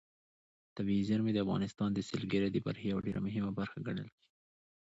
طبیعي زیرمې د افغانستان د سیلګرۍ د برخې یوه ډېره مهمه برخه ګڼل کېږي.